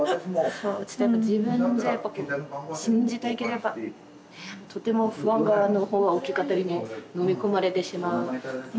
自分じゃやっぱ信じたいけどとても不安のほうが大きかったりねのみ込まれてしまう。